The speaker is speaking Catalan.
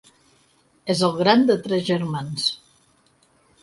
És el gran de tres germans: